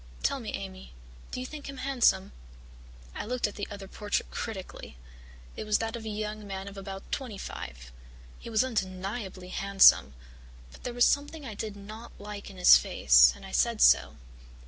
Tell me, Amy, do you think him handsome?" I looked at the other portrait critically. It was that of a young man of about twenty five; he was undeniably handsome, but there was something I did not like in his face and I said so.